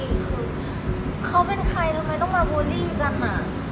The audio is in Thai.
คือเขาเป็นใครทำไมต้องมาบูลลี่กันอ่ะ